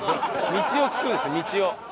道を聞くんです道を。